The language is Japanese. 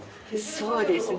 そうですね。